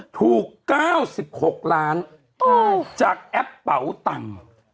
ถูก๙๖ล้านจากแอปเปลาต่าง